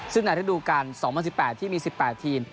ซึ่งถ้าที่ดูกัน๒๐๑๘ที่มี๑๘ทีม